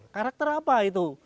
karakter apa itu